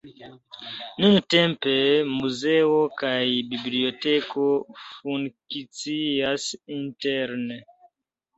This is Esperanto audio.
Nuntempe muzeo kaj biblioteko funkcias interne.